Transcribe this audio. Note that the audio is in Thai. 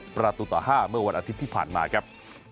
ประตูต่อ๕เมื่อวันอาทิตย์ที่ผ่านมาครับ